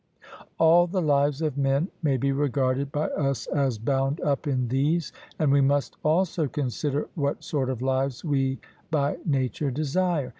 All the lives of men may be regarded by us as bound up in these, and we must also consider what sort of lives we by nature desire.